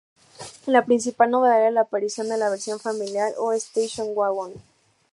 La principal novedad era la aparición de la versión familiar o "station wagon".